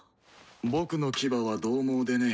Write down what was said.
僕の牙はどう猛でね。